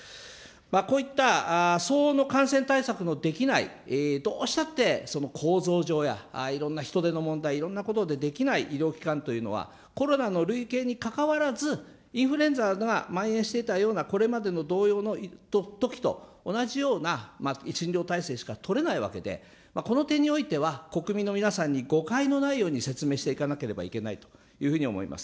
こういった相応の感染対策のできない、どうしたって、構造上やいろんな人手の問題、いろんなことでできない医療機関というのは、コロナの類型にかかわらず、インフルエンザがまん延していたようなこれまでの同様のときと同じような診療体制しか取れないわけで、この点においては、国民の皆さんに誤解のないように説明していかなければいけないというふうに思います。